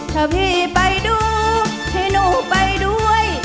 ถ้าพี่ไปดูให้หนูไปด้วย